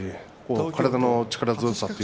体の力強さ